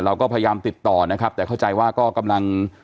เราก็พยายามติดต่อนะครับแต่เข้าใจว่าก็กำลัง